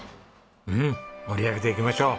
うん盛り上げていきましょう。